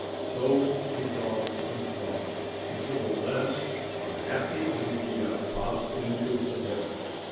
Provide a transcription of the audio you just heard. So he thought and thought; until at last a happy idea popped into his head.